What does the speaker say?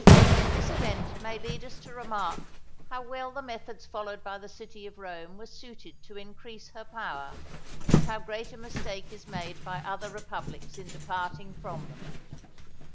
This event may lead us to remark how well the methods followed by the city of Rome were suited to increase her power, and how great a mistake is made by other republics in departing from them.